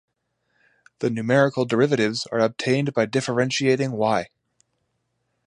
The numerical derivatives are obtained by differentiating Y.